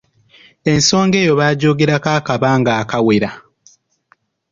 Ensonga eyo baagyogerako akabanga akawera.